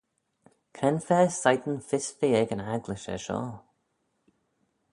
Cre'n fa shegin fys ve ec yn agglish er shoh?